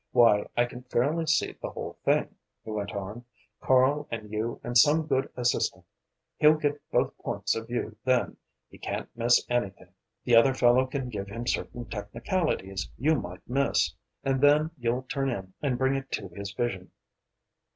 Why, I can fairly see the whole thing," he went on "Karl and you and some good assistant. He'll get both points of view then he can't miss anything. The other fellow can give him certain technicalities you might miss and then you'll turn in and bring it to his vision.